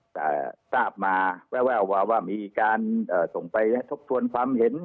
แต่ทราบมาแววว่ามีการส่งไปทบทวนความเห็น